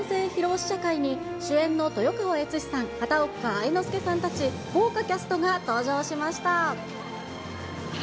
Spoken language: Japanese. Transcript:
試写会に、主演の豊川悦司さん、片岡愛之助さんたち豪華キャストが登場しました。